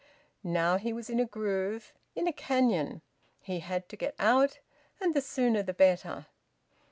Now he was in a groove, in a canyon. He had to get out, and the sooner the better.